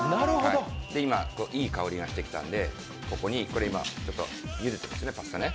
今、いい香りがしてきたんでここに今ゆでてますね、パスタ。